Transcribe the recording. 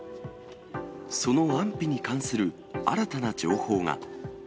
その安否に関する新たな情報が。